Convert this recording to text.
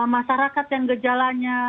masyarakat yang gejalanya